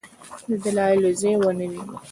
دلایلو ځای ونه نیوی.